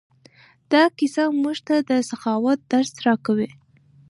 دا کیسه موږ ته د سخاوت درس راکوي.